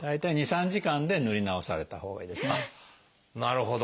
なるほど。